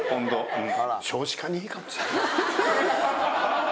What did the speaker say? うん！